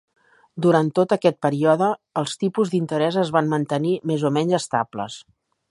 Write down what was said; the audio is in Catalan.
Durant tot aquest període, els tipus d'interès es van mantenir més o menys estables.